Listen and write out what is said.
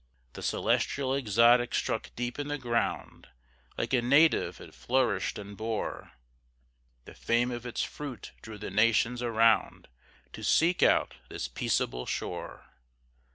The celestial exotic struck deep in the ground, Like a native it flourished and bore; The fame of its fruit drew the nations around, To seek out this peaceable shore.